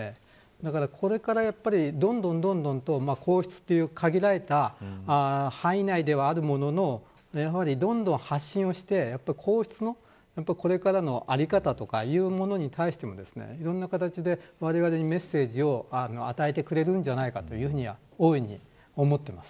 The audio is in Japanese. これから、やっぱりどんどん皇室という限られた範囲内ではあるもののどんどん発信をして皇室のこれからの在り方とかいうものに対してもいろいろな形でわれわれにメッセージを与えてくれるんじゃないかと大いに思っています。